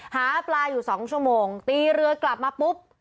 หาปลาอยู่๒ชั่วโมงตีเรือกลับมาปุ๊บ